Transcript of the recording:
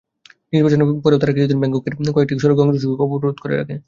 নির্বাচনের পরেও তারা কিছুদিন ব্যাংককের কয়েকটি সড়ক সংযোগ অবরোধ করে রাখে।